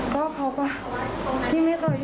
ก็เค้าก็